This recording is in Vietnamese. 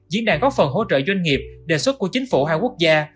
diễn đàn góp phần hỗ trợ doanh nghiệp đề xuất của chính phủ hai quốc gia